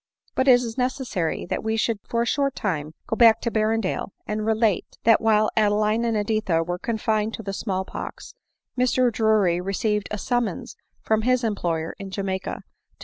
But it is necessary that we should for a short time go back to Berrendale, and relate, that while Adeline and Editha were confined with the small pox, Mr Drury re ceived a summons from his employer in Jamaica to go